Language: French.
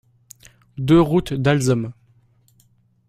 deux route d'Alzom